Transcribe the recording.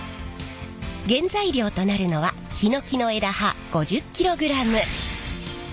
原材料となるのはヒノキの枝葉５０キログラム。